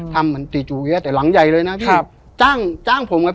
ทำมันติจุเยี้ยะแต่หลังใหญ่เลยนะ